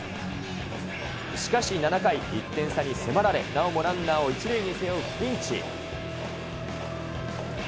しかし７回、１点差に迫られ、なおもランナーを１塁に背負うピンチ。